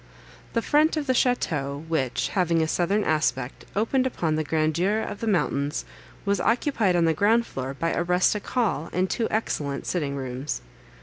The front of the château, which, having a southern aspect, opened upon the grandeur of the mountains, was occupied on the ground floor by a rustic hall, and two excellent sitting rooms.